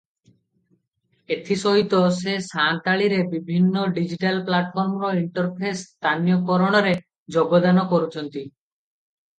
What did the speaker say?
ଏଥିସହିତ ସେ ସାନ୍ତାଳୀରେ ବିଭିନ୍ନ ଡିଜିଟାଲ ପ୍ଲାଟଫର୍ମର ଇଣ୍ଟରଫେସ ସ୍ଥାନୀୟକରଣରେ ଯୋଗଦାନ କରୁଛନ୍ତି ।